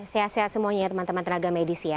sehat sehat semuanya ya teman teman tenaga medis ya